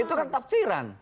tapi kalau ngelarang tafsiran